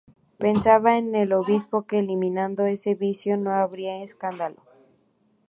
Pensaba el obispo que eliminando ese vicio, no habría escándalo.